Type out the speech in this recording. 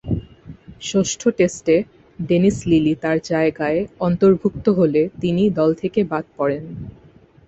ষষ্ঠ টেস্টে Dennis Lillee তার জায়গায় অন্তর্ভুক্ত হলে তিনি দল থেকে বাদ পড়েন।